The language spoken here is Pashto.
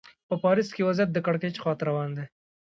په پاریس کې وضعیت د کړکېچ خوا ته روان و.